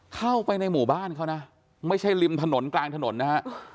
เข้าไปในหมู่บ้านเขานะไม่ใช่ริมถนนกลางถนนนะฮะ